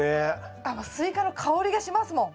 スイカの香りがしますもん。